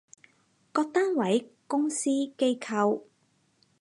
各單位，公司，機構